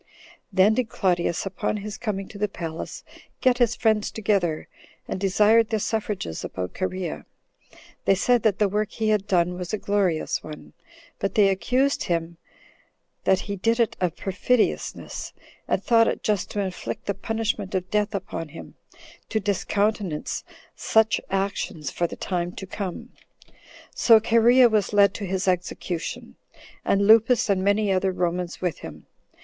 Then did Claudius, upon his coming to the palace, get his friends together, and desired their suffrages about Cherea. They said that the work he had done was a glorious one; but they accused him that he did it of perfidiousness, and thought it just to inflict the punishment [of death] upon him, to discountenance such actions for the time to come. So Cherea was led to his execution, and Lupus and many other Romans with him.